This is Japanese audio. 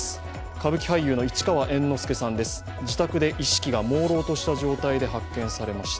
歌舞伎俳優の市川猿之助さん、自宅で意識がもうろうとした状態で発見されました。